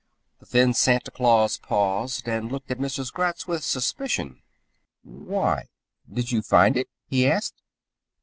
The thin Santa Claus paused and looked at Mrs. Gratz with suspicion. "Why? Did you find it?" he asked.